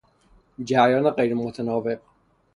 جریان غیر متناوب